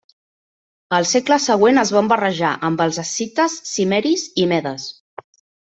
Al segle següent es van barrejar amb els escites, cimmeris i medes.